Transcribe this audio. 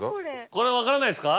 これ分からないですか？